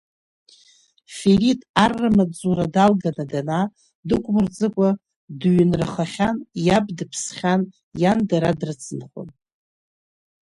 Ферит, арра маҵзура далганы данаа, дук мырҵыкәа дыҩнрахахьан, иаб дыԥсхьан, иан дара дрыцынхон.